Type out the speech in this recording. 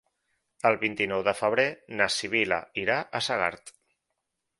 El vint-i-nou de febrer na Sibil·la irà a Segart.